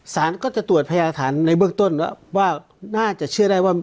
ศาลก็จะตรวจพระอาธารณ์ในเบื้องต้นแล้วน่าจะเชื่อได้ว่า